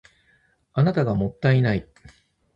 あなたがもったいない